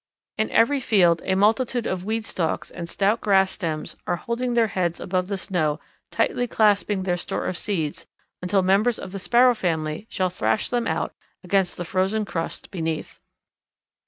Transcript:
In every field a multitude of weed stalks and stout grass stems are holding their heads above the snow tightly clasping their store of seeds until members of the Sparrow family shall thrash them out against the frozen crust beneath.